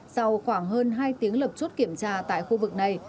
sau khoảng hơn hai tiếng lập chốt kiểm tra tại khu vực này